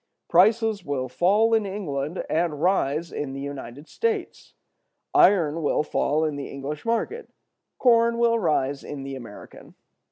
Prices will fall in England and rise in the United States; iron will fall in the English market; corn will rise in the American.